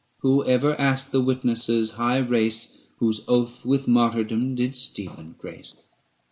Who ever asked the witnesses' high race Whose oath with martyrdom did Stephen grace?